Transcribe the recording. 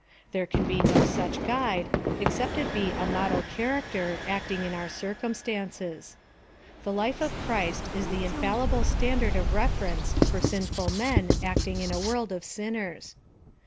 There can be no such guide, except it be a model character acting' in our circuvi' stances. The life of Christ is the infallible standard of reference for sinful men acting in a world of sin ners.